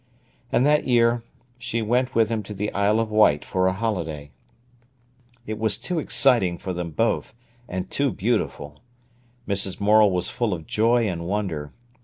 And that year she went with him to the Isle of Wight for a holiday. It was too exciting for them both, and too beautiful. Mrs. Morel was full of joy and wonder.